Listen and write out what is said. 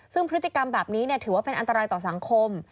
ซึ่งพฤติกรรมแบบนี้ถือว่าเป็นอันตรายต่อสังคม